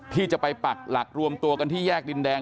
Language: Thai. ที่จะไปปักหลักรวมตัวกันที่แยกดินแดง